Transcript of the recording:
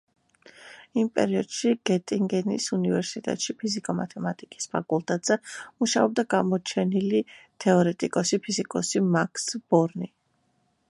იმ პერიოდში გეტინგენის უნივერსიტეტში ფიზიკა-მათემატიკის ფაკულტეტზე მუშაობდა გამოჩენილი თეორეტიკოსი-ფიზიკოსი მაქს ბორნი.